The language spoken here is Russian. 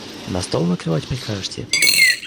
На стол накрывать прикажете?